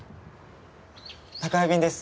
宅配便です。